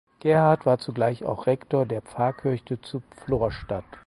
Gerhard war zugleich auch Rektor der Pfarrkirche zu Florstadt.